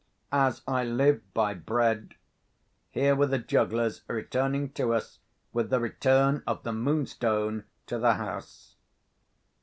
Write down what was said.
As I live by bread, here were the jugglers returning to us with the return of the Moonstone to the house!